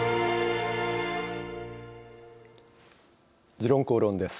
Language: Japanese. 「時論公論」です。